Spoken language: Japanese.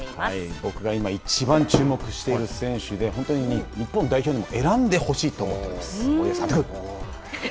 僕が今いちばん注目している選手で本当に日本代表にも選んでほしいと思っています。